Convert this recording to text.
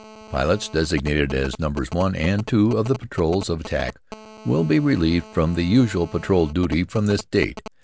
Pilots designated as numbers 1 and 2 of the patrols of attack will be relieved from the usual patrol duty from this date.